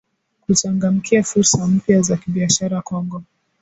Kuchangamkia fursa mpya za kibiashara Kongo